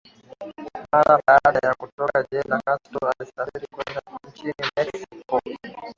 Mara baada ya kutoka jela Castro alisafiri kwenda nchini Mexico